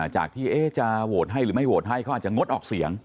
จากที่จะโหวตให้หรือไม่โหวตให้เขาอาจจะงดออกเสียง